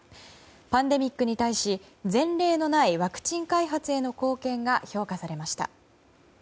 パンデミックに対し、前例のないワクチン開発への貢献が評価されました。